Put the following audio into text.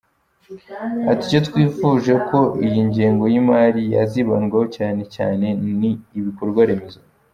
Ati “Icyo twifuje ko iyi ngengo y’imari yazibandaho cyane cyane ni ibikorwa remezo.